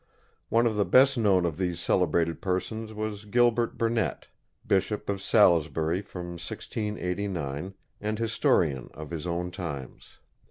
One of the best known of these celebrated persons was Gilbert Burnet, Bishop of Salisbury from 1689, and historian of his own times.